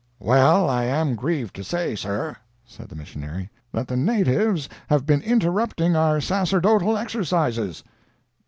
"Well, I am grieved to say, sir," said the missionary, "that the natives have been interrupting our sacerdotal exercises."